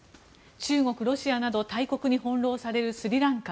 中国、ロシアなど大国に翻ろうされるスリランカ。